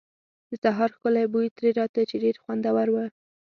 د سهار ښکلی بوی ترې راته، چې ډېر خوندور و.